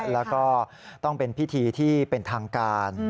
แล้วก็ต้องเป็นพิธีที่เป็นทางการ